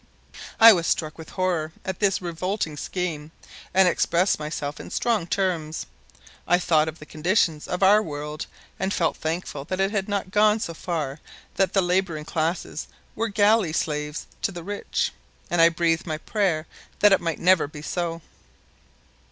I was struck with horror at this revolting scheme, and expressed myself in strong terms. I thought of the conditions of our world and felt thankful that it had not gone so far that the laboring classes were galley slaves to the rich; and I breathed my prayer that it might never be so.